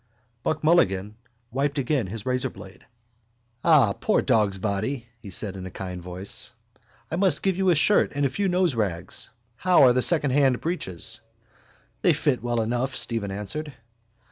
Buck Mulligan wiped again his razorblade. —Ah, poor dogsbody! he said in a kind voice. I must give you a shirt and a few noserags. How are the secondhand breeks? —They fit well enough, Stephen answered.